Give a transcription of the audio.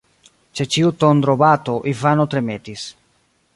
Ĉe ĉiu tondrobato Ivano tremetis.